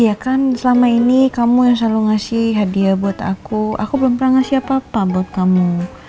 iya kan selama ini kamu yang selalu ngasih hadiah buat aku aku belum pernah ngasih apa apa buat kamu